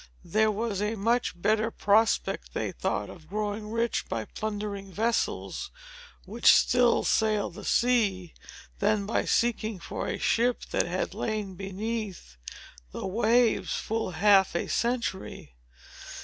There was a much better prospect, they thought, of growing rich by plundering vessels, which still sailed the sea, than by seeking for a ship that had lain beneath the waves full half a century.